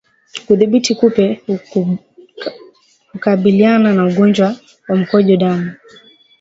Kudhibiti kupe hukabiliana na ugonjwa wa mkojo damu